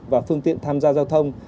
và phương tiện tham gia giao thông